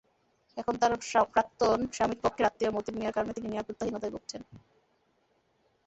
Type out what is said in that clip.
এখন তাঁর প্রাক্তন স্বামীর পক্ষের আত্মীয় মতিন মিয়ার কারণে তিনি নিরাপত্তাহীনতায় ভুগছেন।